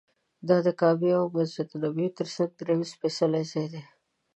دا د کعبې او مسجد نبوي تر څنګ درېیم سپېڅلی ځای دی.